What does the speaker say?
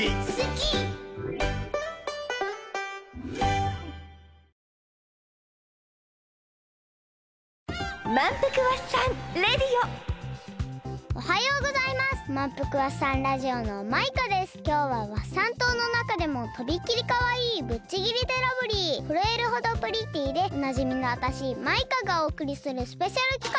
きょうはワッサン島のなかでもとびきりかわいいぶっちぎりでラブリーふるえるほどプリティーでおなじみのわたしマイカがおおくりするスペシャルきかく！